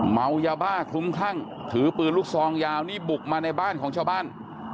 เมายาบ้าคลุ้มคลั่งถือปืนลูกซองยาวนี่บุกมาในบ้านของชาวบ้าน